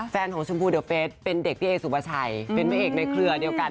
เฟนของชมพูเดอเฟซเป็นเด็กเบี๊ยงโอเครือเดียวกัน